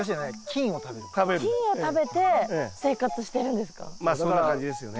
菌を食べて生活してるんですか？